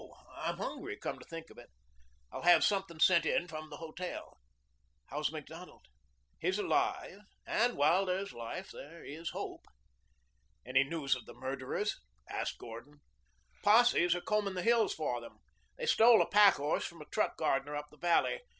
I'm hungry, come to think of it." "I'll have something sent in from the hotel." "How's Macdonald?" "He's alive and while there's life there is hope." "Any news of the murderers?" asked Gordon. "Posses are combing the hills for them. They stole a packhorse from a truck gardener up the valley.